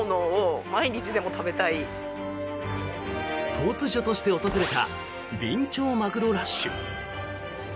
突如として訪れたビンチョウマグロラッシュ。